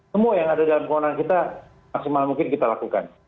semua yang ada dalam kewenangan kita maksimal mungkin kita lakukan